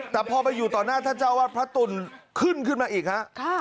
แต่พอไปอยู่ต่อหน้าท่านเจ้าวัดพระตุลขึ้นขึ้นมาอีกฮะ